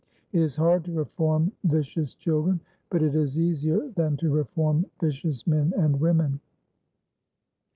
It is hard to reform vicious children, but it is easier than to reform vicious men and women.